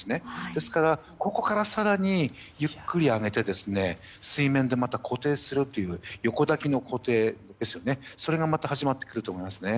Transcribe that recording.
ですから、ここから更にゆっくり上げて水面で固定するという横抱きの固定ですよねそれがまた始まってくると思います。